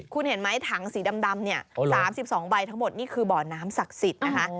คุณเห็นไหมถังสีดำเนี่ย๓๒ใบทั้งหมดนี่คือบ่อน้ำศักดิ์สิทธิ์นะคะ